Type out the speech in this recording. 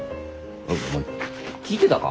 おお前聞いてたか？